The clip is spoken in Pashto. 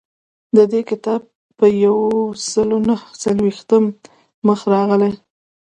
د دې کتاب په یو سل نهه څلویښتم مخ راغلی.